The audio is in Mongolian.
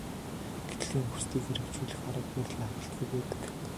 Гэтэл энэ хүслийг хэрэгжүүлэх арга барил нь хангалтгүй байдаг.